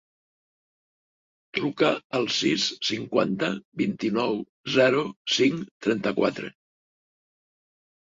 Truca al sis, cinquanta, vint-i-nou, zero, cinc, trenta-quatre.